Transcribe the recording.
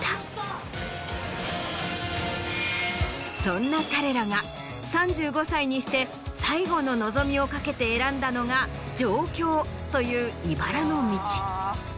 そんな彼らが３５歳にして最後の望みをかけて選んだのが上京といういばらの道。